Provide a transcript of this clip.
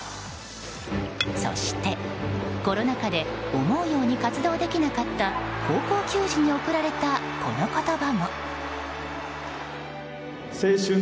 そして、コロナ禍で思うように活動できなかった高校球児に贈られたこの言葉も。